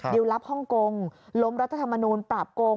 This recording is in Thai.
ลับฮ่องกงล้มรัฐธรรมนูลปราบโกง